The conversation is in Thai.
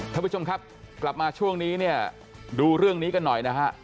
ท่านผู้ชมครับกลับมาช่วงนี้เนี่ยดูเรื่องนี้กันหน่อยนะฮะ